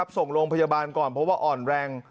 ส่งโรงพยาบาลก่อนเพราะว่าอ่อนแรง